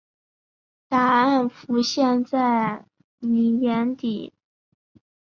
答案浮现在妳眼底